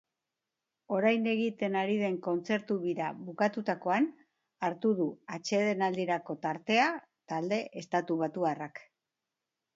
Orain egiten ari den kontzertu bira bukatutakoan hartu du atsedenaldirako tartea talde estatubatuarrak.